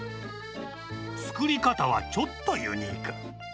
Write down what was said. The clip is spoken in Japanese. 作り方はちょっとユニーク。